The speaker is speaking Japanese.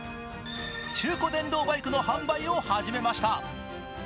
中古電動バイクの販売を始めました。